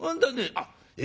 「あっえ